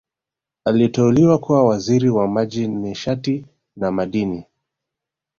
Aliteuliwa kuwa Waziri wa Maji Nishati na Madini